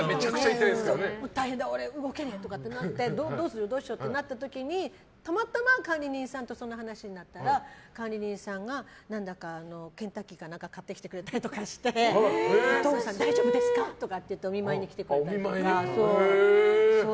大変だ、動けねえってなってどうしようってなった時にたまたま管理人さんとそんな話になったら管理人さんが何だかケンタッキーか何か買ってきてくれたりして大丈夫ですか？とかってお見舞いに来てくれたりとか。